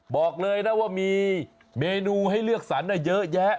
บอกเลยนะว่ามีเมนูให้เลือกสรรเยอะแยะ